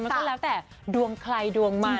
มันก็แล้วแต่ดวงใครดวงมัน